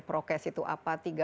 prokes itu apa